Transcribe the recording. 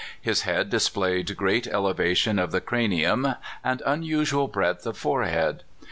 His head displayed great elevation of the cranium, and unusual breadth of forehead.